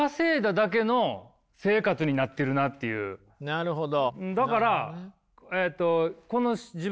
なるほど。